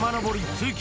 通勤